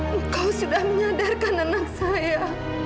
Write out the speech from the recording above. engkau sudah menyadarkan anak saya